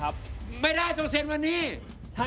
กับพอรู้ดวงชะตาของเขาแล้วนะครับ